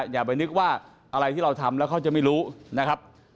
อย่าไปนึกว่าอะไรที่เราทำแล้วเขาจะไม่รู้นะครับ